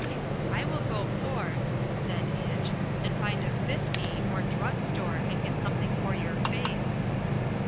"I will go forth," said Itch, "and find a fisski, or drug store, and get something for your face."